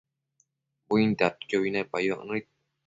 buintadquiobi nepac nëid